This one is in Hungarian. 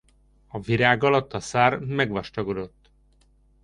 A virág alatt a szár megvastagodott.